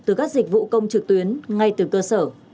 từ các dịch vụ công trực tuyến ngay từ cơ sở